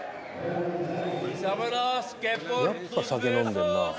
やっぱ酒飲んでんな。